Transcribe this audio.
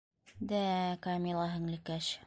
Дә-ә, Камила һеңлекәш...